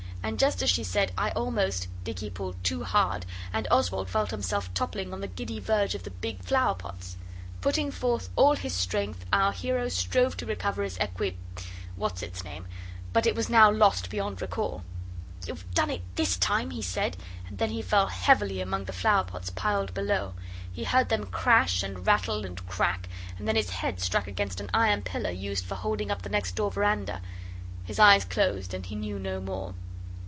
And just as she said 'I almost,' Dicky pulled too hard and Oswald felt himself toppling on the giddy verge of the big flower pots. Putting forth all his strength our hero strove to recover his equi what's its name, but it was now lost beyond recall. 'You've done it this time!' he said, then he fell heavily among the flower pots piled below. He heard them crash and rattle and crack, and then his head struck against an iron pillar used for holding up the next door veranda. His eyes closed and he knew no more.